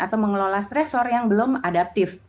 atau mengelola stresor yang belum adaptif